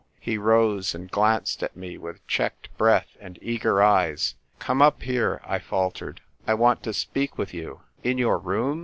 " He rose and glanced at me with checked breath and eager eyes. ''Come up here," I faltered; "I want to speak with you." " In your room